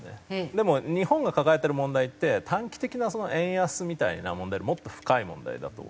でも日本が抱えてる問題って短期的な円安みたいな問題よりもっと深い問題だと思うんですよ。